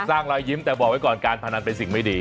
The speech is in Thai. รอยยิ้มแต่บอกไว้ก่อนการพนันเป็นสิ่งไม่ดี